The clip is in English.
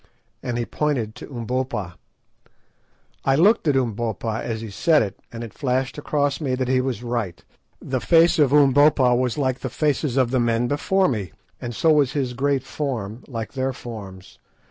and he pointed to Umbopa. I looked at Umbopa as he said it, and it flashed across me that he was right. The face of Umbopa was like the faces of the men before me, and so was his great form like their forms.